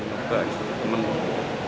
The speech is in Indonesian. juga suka menunggu